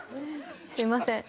すいません